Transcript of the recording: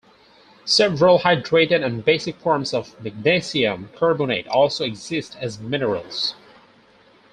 Several hydrated and basic forms of magnesium carbonate also exist as minerals.